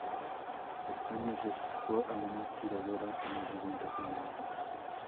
España clasificó a una tiradora en el evento femenino.